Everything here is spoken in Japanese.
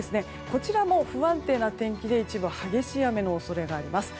こちらも不安定な天気で一部激しい雨の恐れがあります。